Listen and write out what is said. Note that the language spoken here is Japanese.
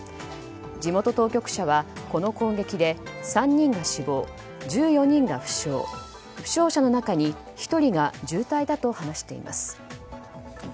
地元当局者は、この攻撃で３人が死亡、１４人が負傷負傷者の中に１人が重体だと話しています。